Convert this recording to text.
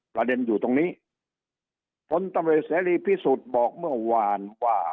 ประเด็นอยู่ตรงนี้ผลตำรวจเสรีพิสุทธิ์บอกเมื่อวานว่า